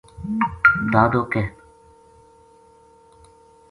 دادو ک